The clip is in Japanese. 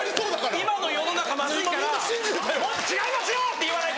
今の世の中まずいからもっと「違いますよ！」って言わないと。